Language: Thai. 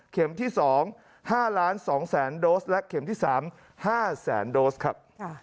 เข็มที่๒๕๒๐๐๐๐๐โดสและเข็มที่๓๕๐๐๐๐๐โดสครับ